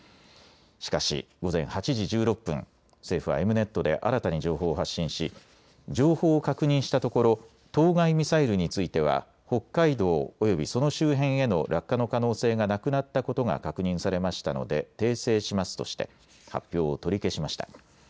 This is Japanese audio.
しかし午前８時１６分、政府はエムネットで新たに情報を発信し情報を確認したところ当該ミサイルについては北海道およびその周辺への落下の可能性がなくなったことが確認されましたので訂正しますとして発表を取り消しました。